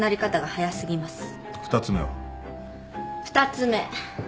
２つ目。